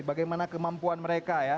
bagaimana kemampuan mereka